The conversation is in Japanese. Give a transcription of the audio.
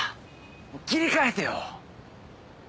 切り替えてよ。